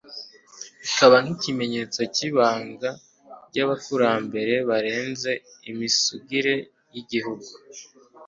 ikaba nk'ikimenyetso cy'ibanga ry'abakurambere baraze Imisugire y'igihugu.